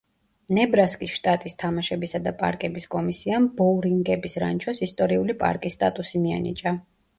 ნებრასკის შტატის თამაშებისა და პარკების კომისიამ ბოურინგების რანჩოს ისტორიული პარკის სტატუსი მიანიჭა.